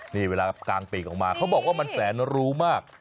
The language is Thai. นี่เวลากลางปีกออกมาเขาบอกว่ามันแสนรู้มาก